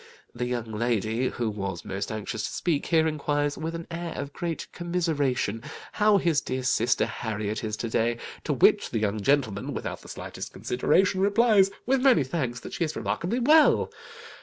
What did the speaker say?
The young lady who was most anxious to speak, here inquires, with an air of great commiseration, how his dear sister Harriet is to day; to which the young gentleman, without the slightest consideration, replies with many thanks, that she is remarkably well.